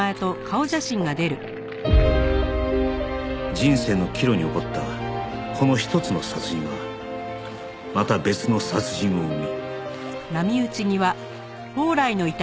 人生の岐路に起こったこの一つの殺人はまた別の殺人を生み